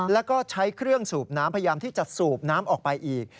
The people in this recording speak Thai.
แล้วก็ใช้เครื่องสูบน้ำพยายามที่จะสูบน้ำออกไปอีก